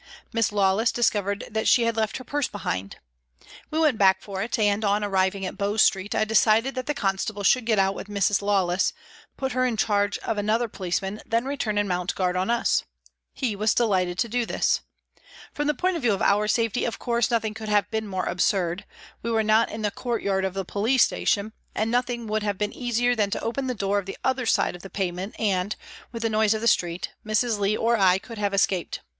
Miss Lawless discovered that she had left her purse behind. We went back for it, and, on arriving at Bow Street, I decided that the constable should get out with Miss Lawless, put her in charge of another policeman, then return and mount guard on us. He was delighted to do this. From the point of view of our safety, of course, nothing could have been more absurd ; we were not HOLLOWAY REVISITED 329 in the courtyard of the police station, and nothing would have been easier than to open the door the other side of the pavement and, with the noise of the street, Mrs. Leigh or I could have escaped.